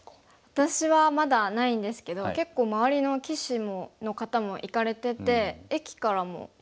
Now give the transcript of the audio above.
私はまだないんですけど結構周りの棋士の方も行かれてて駅からも近いですし。